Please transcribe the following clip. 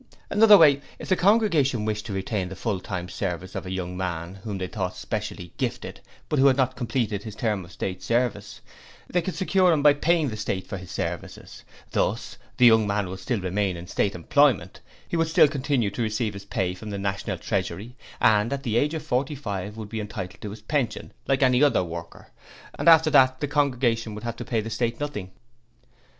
'Another way: If a congregation wished to retain the full time services of a young man whom they thought specially gifted but who had not completed his term of State service, they could secure him by paying the State for his services; thus the young man would still remain in State employment, he would still continue to receive his pay from the National Treasury, and at the age of forty five would be entitled to his pension like any other worker, and after that the congregation would not have to pay the State anything.